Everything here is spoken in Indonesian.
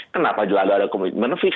kenapa juga ada komitmen fit